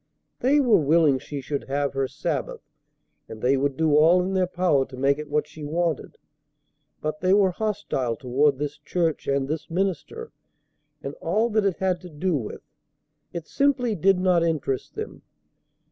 They were willing she should have her Sabbath, and they would do all in their power to make it what she wanted; but they were hostile toward this church and this minister and all that it had to do with. It simply did not interest them.